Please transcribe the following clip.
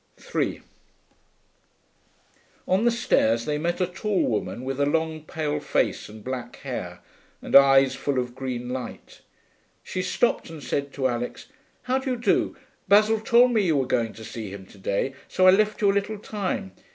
3 On the stairs they met a tall woman with a long pale face and black hair, and eyes full of green light. She stopped and said to Alix, 'How do you do? Basil told me you were going to see him to day, so I left you a little time.